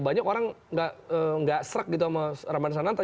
banyak orang gak shrek gitu sama ramadhan sananta